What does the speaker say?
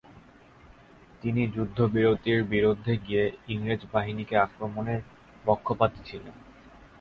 তিনি যুদ্ধবিরতির বিরুদ্ধে গিয়ে ইংরেজবাহিনী কে আক্রমণের পক্ষপাতী ছিলেন।